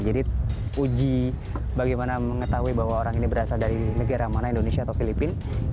jadi uji bagaimana mengetahui bahwa orang ini berasal dari negara mana indonesia atau filipina